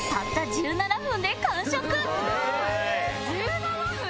「１７分！？」